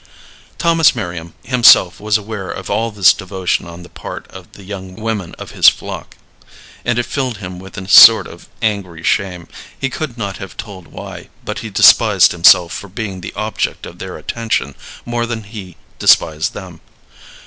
Thomas Merriam himself was aware of all this devotion on the part of the young women of his flock, and it filled him with a sort of angry shame. He could not have told why, but he despised himself for being the object of their attention more than he despised them.